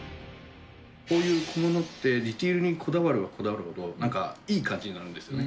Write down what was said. こういう小物って、ディテールにこだわればこだわるほど、なんかいい感じになるんですよね。